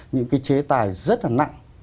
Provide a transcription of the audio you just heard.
những cái chế tài rất là nặng